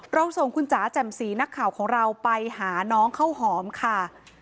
ส่งคุณจ๋าแจ่มสีนักข่าวของเราไปหาน้องข้าวหอมค่ะ